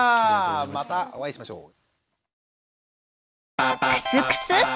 またお会いしましょう。